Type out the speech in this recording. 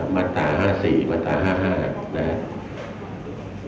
มรรตา๕๔มรรตา๕๕นะครับ